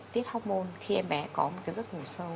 tiết hormôn khi em bé có một giấc ngủ sâu